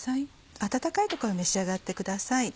温かいところ召し上がってください。